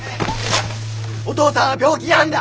お父さんは病気なんだ！